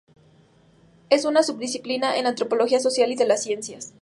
Es una subdisciplina de la Antropología Social y de las Ciencias Sociales.